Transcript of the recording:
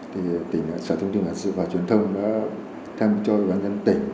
thì sở thông tin truyền thông và truyền thông đã theo ủy ban nhân dân tỉnh